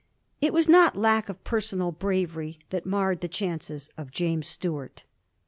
It was not lack of personal bravery that marred the chances of James Stuart.